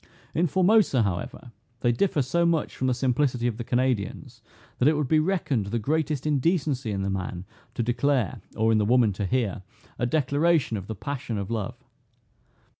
In Formosa, however, they differ so much from the simplicity of the Canadians, that it would be reckoned the greatest indecency in the man to declare, or in the woman to hear, a declaration of the passion of love.